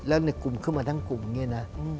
แล้วในกลุ่มขึ้นมาทั้งกลุ่มเนี่ยนะ